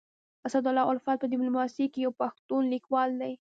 اسدالله الفت په ډيپلوماسي کي يو پښتون ليکوال دی.